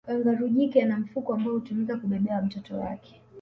kangaroo jike ana mfuko ambao hutumika kubebea mtoto wake